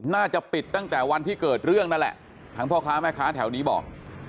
น่าจะปิดตั้งแต่วันที่เกิดเรื่องนั่นแหละทางพ่อค้าแม่ค้าแถวนี้บอก